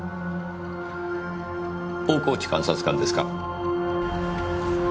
大河内監察官ですか？